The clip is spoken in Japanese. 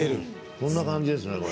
そんな感じですね、これ。